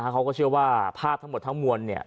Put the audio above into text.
เขาก็เชื่อว่าภาพทั้งหมดทั้งมวล